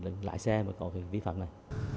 những lần lái xe mà có việc vi phạm này